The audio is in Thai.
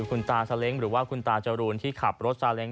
คุณตาซาเล้งหรือว่าคุณตาจรูนที่ขับรถซาเล้ง